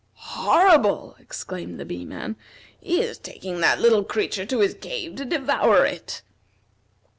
"Horrible!" exclaimed the Bee man. "He is taking that little creature to his cave to devour it."